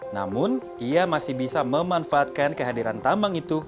namun ia masih bisa memanfaatkan kehadiran tambang itu